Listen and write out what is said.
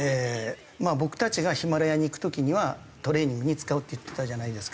僕たちがヒマラヤに行く時にはトレーニングに使うって言ってたじゃないですか。